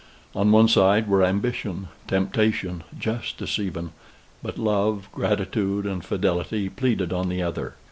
On one side were ambition, temptation, justice even; but love, gratitude, and fidelity, pleaded on the other.